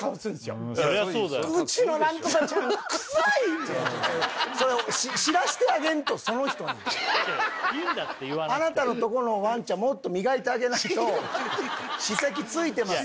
みたいなそれ知らしてあげんとその人にいやいやいいんだって言わなくてあなたのとこのワンちゃんもっと磨いてあげないと歯石ついてます